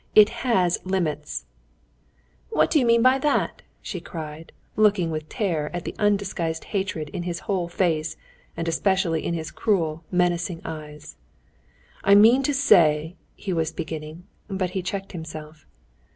"It has limits." "What do you mean by that?" she cried, looking with terror at the undisguised hatred in his whole face, and especially in his cruel, menacing eyes. "I mean to say...." he was beginning, but he checked himself.